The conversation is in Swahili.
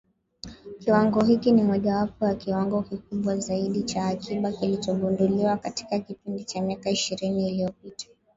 Kiwango hiki ni mojawapo ya kiwango kikubwa zaidi cha akiba kilichogunduliwa katika kipindi cha miaka ishirini iliyopita